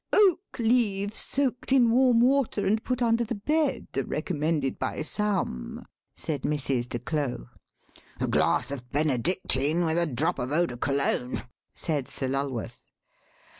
"Oakleaves, soaked in warm water and put under the bed, are recommended by some," said Mrs. de Claux. "A glass of Benedictine, with a drop of eau de Cologne—" said Sir Lulworth.